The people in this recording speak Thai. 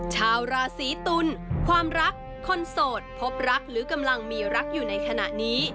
ชาวราศีตุลความรักคนโสดพบรักหรือกำลังมีรักอยู่ในขณะนี้